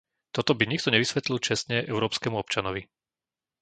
Toto by nikto nevysvetlil čestne európskemu občanovi.